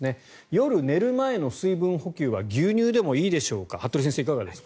夜寝る前の水分補給は牛乳でもいいでしょうか。